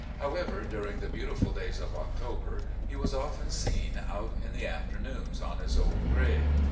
How ever, during the beautiful days of October he was often seen out in the afternoons on his old gray.